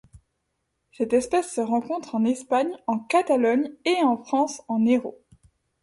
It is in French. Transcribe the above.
Cette espèce se rencontre en Espagne en Catalogne et en France en Hérault.